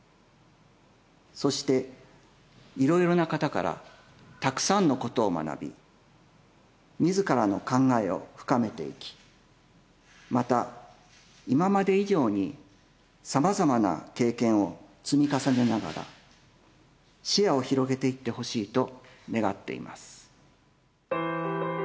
そしていろいろな方からたくさんのことを学び自らの考えを深めていきまた今まで以上にさまざまな経験を積み重ねながら視野を広げていってほしいと願っています。